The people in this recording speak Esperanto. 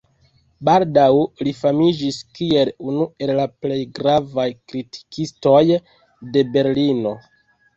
Baldaŭ li famiĝis kiel unu el la plej gravaj kritikistoj de Berlino.